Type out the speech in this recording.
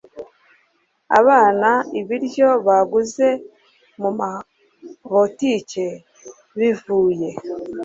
abana ibiryo baguze mu mu mabotike bivuye